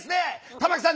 玉木さん